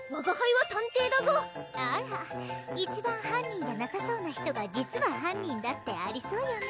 あら一番犯人じゃなさそうな人が実は犯人だってありそうよね